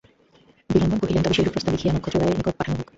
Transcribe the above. বিল্বন কহিলেন, তবে সেইরূপ প্রস্তাব লিখিয়া নক্ষত্ররায়ের নিকট পাঠানো হউক।